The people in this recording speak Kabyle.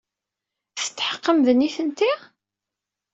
Tetḥeqqemt d nitenti?